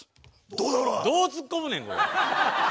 どうツッコむねんこれ。